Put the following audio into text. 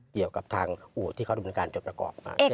เกี่ยวกับทางอู่ที่เขาดำเนินการจนประกอบมา